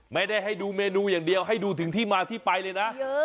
ไม่ได้ให้ดูเมนูอย่างเดียวให้ดูถึงที่มาที่ไปเลยนะ